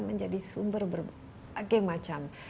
menjadi sumber berbagai macam